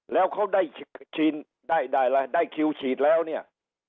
แล้วเขาได้คิวฉีดแล้วเนี่ย